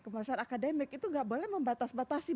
kebebasan akademik itu tidak boleh membatasi batasi